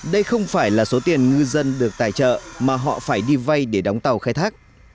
đây không phải là số tiền ngư dân được tài trợ mà họ phải đi vay để đóng tàu khai thác